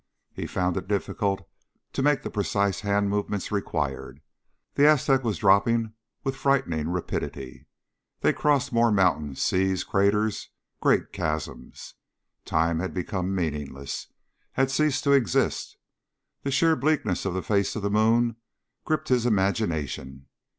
He found it difficult to make the precise hand movements required. The Aztec was dropping with frightening rapidity. They crossed more mountains, seas, craters, great chasms. Time had become meaningless had ceased to exist. The sheer bleakness of the face of the moon gripped his imagination.